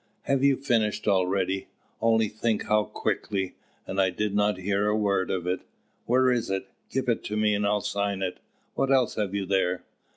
"Have you finished already? Only think how quickly! And I did not hear a word of it! Where is it? Give it me and I'll sign it. What else have you there?"